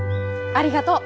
ありがとう。